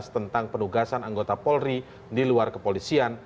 tentang penugasan anggota polri di luar kepolisian